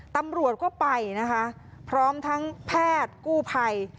ตำรวจก็ไปนะคะพร้อมทั้งแพทย์กู้ภัย